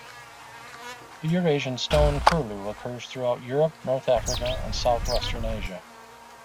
The Eurasian stone curlew occurs throughout Europe, north Africa and southwestern Asia.